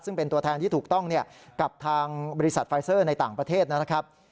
ซึ่งเป็นตัวแทนที่ถูกต้องกับทางบริษัทไฟเซอร์ในต่างประเทศนะครับ